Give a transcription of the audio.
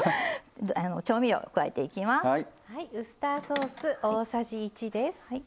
調味料を加えていきます。